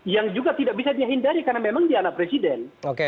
yang juga tidak bisa dihindari karena memang dia anak presiden